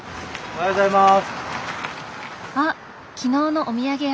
おはようございます。